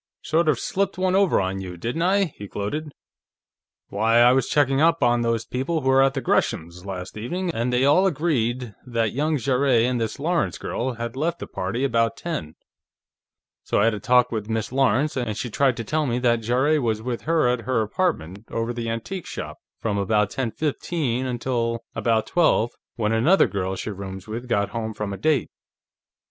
"Sort of slipped one over on you, didn't I?" he gloated. "Why, I was checking up on those people who were at Gresham's, last evening, and they all agreed that young Jarrett and the Lawrence girl had left the party about ten. So I had a talk with Miss Lawrence, and she tried to tell me that Jarrett was with her at her apartment, over the antique shop, from about ten fifteen until about twelve, when another girl she rooms with got home from a date.